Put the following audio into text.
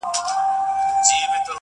دا ستا پر ژوند در اضافه كي گراني~